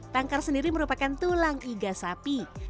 tangkar sendiri merupakan tulang iga sapi